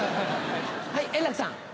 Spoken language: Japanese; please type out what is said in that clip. はい円楽さん。